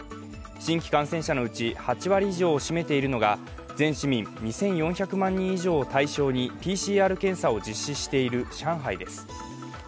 新規感染者のうち８割以上を占めているのが全市民２４００万人以上を対象にＰＣＲ検査を実施している上海です。